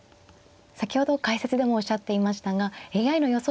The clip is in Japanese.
先ほど解説でもおっしゃっていましたがＡＩの予想